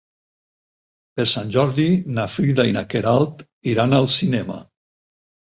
Per Sant Jordi na Frida i na Queralt iran al cinema.